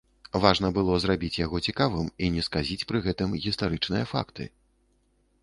Важна было зрабіць яго цікавым і не сказіць пры гэтым гістарычныя факты.